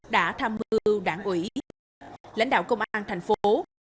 đã thăm hưu đảng ủy lãnh đạo công an thành phố